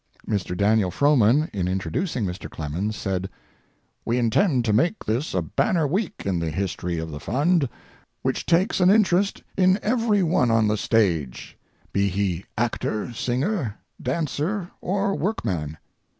Mr. Daniel Frohman, in introducing Mr. Clemens, said: "We intend to make this a banner week in the history of the Fund, which takes an interest in every one on the stage, be he actor, singer, dancer, or workman.